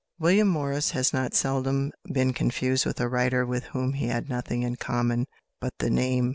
William Morris has not seldom been confused with a writer with whom he had nothing in common but the name.